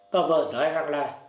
và vợ nói rằng là